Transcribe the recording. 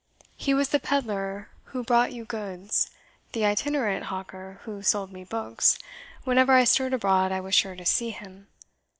He was the pedlar who brought you goods the itinerant hawker who sold me books; whenever I stirred abroad I was sure to see him.